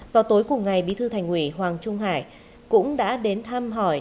vào tối cùng ngày bí thư thành ủy hoàng trung hải cũng đã đến thăm hỏi